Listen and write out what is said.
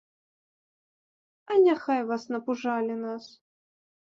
А няхай вас, напужалі нас.